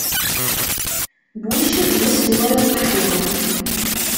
Bush d aselway aṣeḥḥi.